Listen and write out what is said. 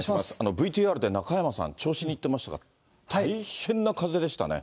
ＶＴＲで中山さん、銚子に行ってましたが、大変な風でしたね。